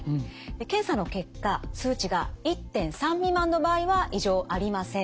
検査の結果数値が１．３未満の場合は異常ありません。